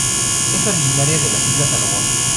Es originaria de las Islas Salomon.